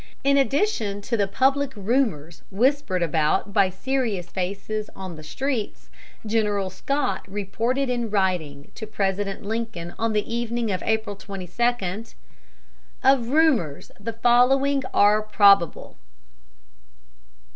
In addition to the public rumors whispered about by serious faces on the streets, General Scott reported in writing to President Lincoln on the evening of April 22: "Of rumors, the following are probable, viz.